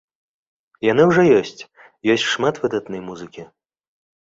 Яны ўжо ёсць, ёсць шмат выдатнай музыкі.